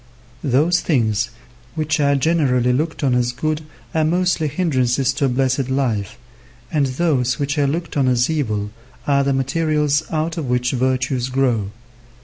Those things which are generally looked on as good are mostly hindrances to a blessed life, and those which are looked on as evil are the materials out of which virtues grow.